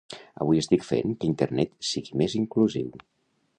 Avui estic fent que Internet sigui més inclusiu.